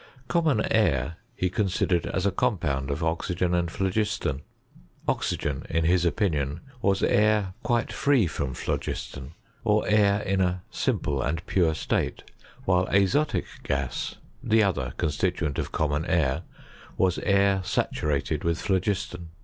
Common air he con Bidered as a compound of oxygen and phlogiston. Oxygen, in his opinion, was air quite free from phlogiston, or air in a simple and pure slate ; while axolic gai (the other constituent of common air) was air saturated with phlogiston.